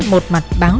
một mặt báo